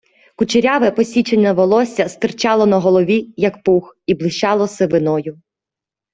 Кучеряве посічене волосся стирчало на голові, як пух, і блищало сивиною.